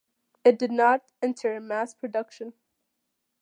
It did not enter mass production.